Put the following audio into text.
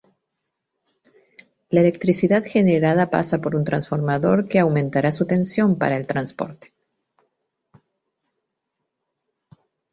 La electricidad generada pasa por un transformador, que aumentará su tensión para el transporte.